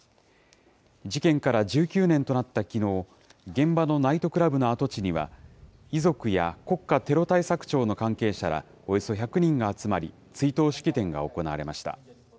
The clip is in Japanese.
事件から１９年となったきのう、現場のナイトクラブの跡地には、遺族や国家テロ対策庁の関係者らおよそ１００人が集まり、追悼式典が行われました。